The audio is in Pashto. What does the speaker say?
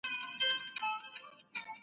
تعليم پراخ مفهوم لري ؛خو تدريس ځانګړی عمل دی.